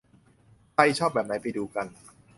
ใครชอบแบบไหนไปดูกัน